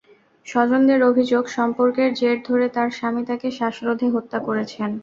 স্বজনদের অভিযোগ, সম্পর্কের জের ধরে তাঁর স্বামী তাঁকে শ্বাসরোধে হত্যা করেছেন।